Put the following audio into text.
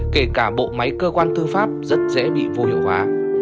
kể cả bộ máy cơ quan tư pháp rất dễ bị vô hiệu hóa